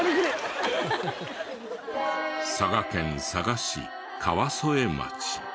佐賀県佐賀市川副町。